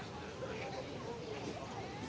สวัสดีครับทุกคน